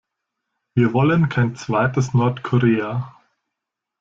Wir wollen kein zweites Nordkorea.